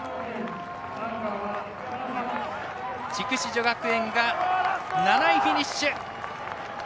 筑紫女学園、７位フィニッシュ。